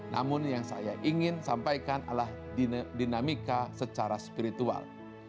namun yang saya ingin sampaikan adalah dinamika secara spiritual